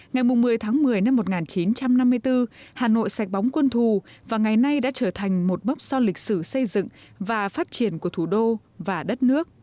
ngày một mươi tháng một mươi năm một nghìn chín trăm năm mươi bốn hà nội sạch bóng quân thù và ngày nay đã trở thành một mốc son lịch sử xây dựng và phát triển của thủ đô và đất nước